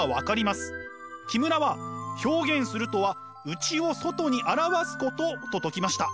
木村は「表現するとは内を外に現すこと」と説きました。